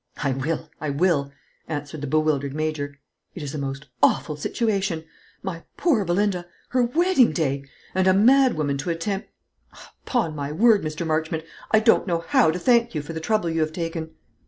"I will, I will," answered the bewildered Major. "It's a most awful situation. My poor Belinda! Her wedding day! And a mad woman to attempt Upon my word, Mr. Marchmont, I don't know how to thank you for the trouble you have taken."